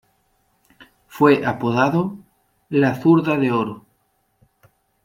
Fue apodado "La zurda de oro".